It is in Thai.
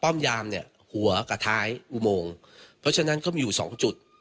ยามเนี่ยหัวกับท้ายอุโมงเพราะฉะนั้นก็มีอยู่สองจุด